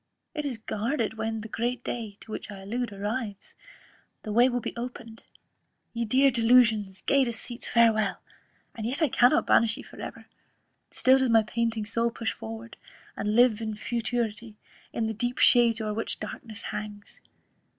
it is guarded, when the great day, to which I allude, arrives, the way will again be opened. Ye dear delusions, gay deceits, farewel! and yet I cannot banish ye for ever; still does my panting soul push forward, and live in futurity, in the deep shades o'er which darkness hangs.